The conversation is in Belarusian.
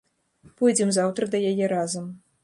Пойдзем заўтра да яе разам.